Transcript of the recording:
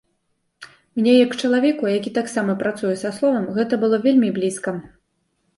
Мне як чалавеку, які таксама працуе са словам, гэта было вельмі блізка.